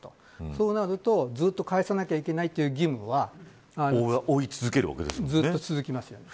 そうなると、ずっと返さないという義務はずっと続きますよね。